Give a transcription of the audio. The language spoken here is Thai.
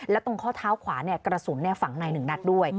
และตรงข้อเท้าขวากระสุนฝั่งใน๑นัดด้วย